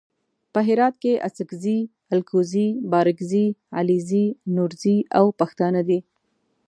په هرات کې اڅګزي الکوزي بارګزي علیزي نورزي او پښتانه دي.